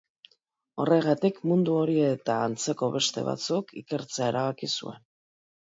Horregatik, mundu hori eta antzeko beste batzuk ikertzea erabaki zuen.